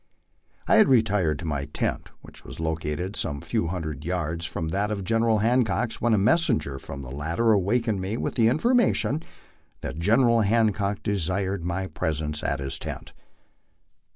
I had retired to my tent, which was located some few hundred yards from that of General Hancock, when a messenger from the latter awakened me with the information that General Hancock desired my presence at his tent.